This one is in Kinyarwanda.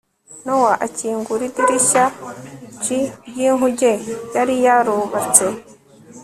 nowa akingura idirishya j ry inkuge yari yarubatse